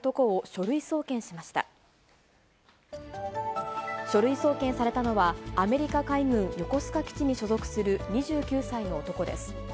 書類送検されたのは、アメリカ海軍横須賀基地に所属する２９歳の男です。